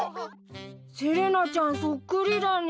セレナちゃんそっくりだね。